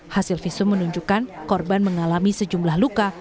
hasil visum menunjukkan korban mengalami sejumlah luka